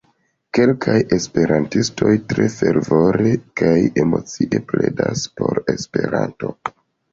Kelkaj esperantistoj tre fervore kaj emocie pledas por Esperanto.